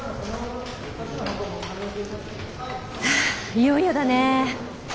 いよいよだね。